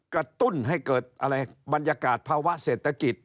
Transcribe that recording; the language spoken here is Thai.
กระตุ้นให้เกิดอะไรบรรยากาศภาวะเศรษฐกิจ